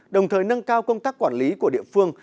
đồng thời nâng cao công tác quản lý của địa phương